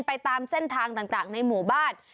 ไปตามเส้นทางต่างในหมู่บ้าน